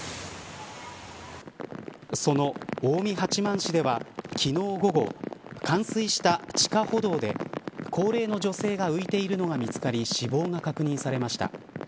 その近江八幡市では昨日午後冠水した地下歩道で高齢の女性が浮いているのが見つかり死亡が確認されました。